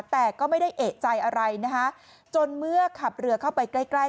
แต่ก็ไม่ได้เอกใจอะไรนะคะจนเมื่อขับเรือเข้าไปใกล้ใกล้